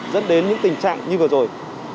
dẫn đến những tình trạng như vừa rồi